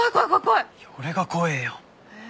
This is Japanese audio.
いや俺が怖えよ。